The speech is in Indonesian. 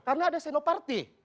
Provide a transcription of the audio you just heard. karena ada senoparti